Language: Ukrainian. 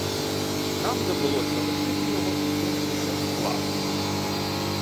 Нам довелось лишити його і кинутися вплав.